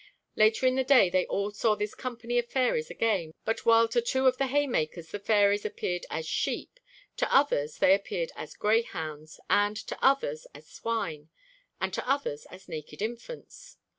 Later in the day they all saw this company of fairies again, but while to two of the haymakers the fairies appeared as sheep, to others they appeared as greyhounds, and to others as swine, and to others as naked infants.